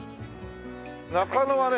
中野はね